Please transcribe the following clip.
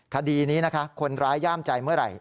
คดีนี้นะคะคนร้ายย่ามใจเมื่อไหร่